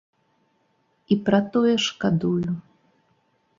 І пра тое шкадую.